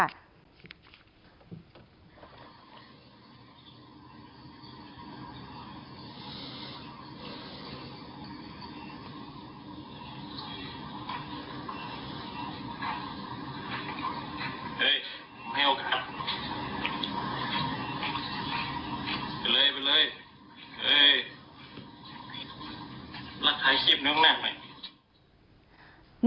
ไปเลยไปเลยรับไทยคลิปหนึ่งนั่งหน่อย